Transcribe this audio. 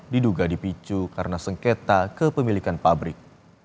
diduga dipicu karena sengketa kepemilikan pabrik